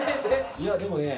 いやでもね